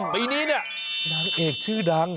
ปีนี้เนี่ยนางเอกชื่อดัง